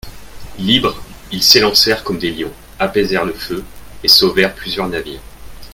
Libres, ils s'élancèrent comme des lions, apaisèrent le feu et sauvèrent plusieurs navires.